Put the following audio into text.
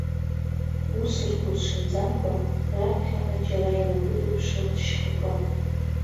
Ус ргәырҽанӡамкәа, раԥхьаҟа џьара инагәыдыԥшылт шьхакы.